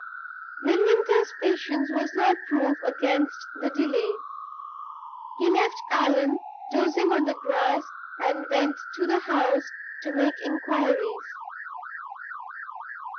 Midwinter's patience was not proof against the delay. He left Allan dozing on the grass, and went to the house to make inquiries.